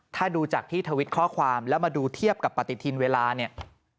ถ้าดูจากที่ทวิตข้อความแล้วมาดูเทียบกับปฏิทินเวลาเนี่ย